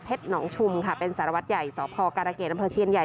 เพชรหนองชุมค่ะเป็นสารวัติใหญ่สพการเกรดดเชียญใหญ่